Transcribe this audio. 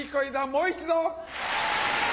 もう一度！